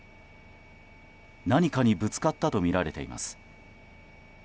何かにぶつかったとみられています。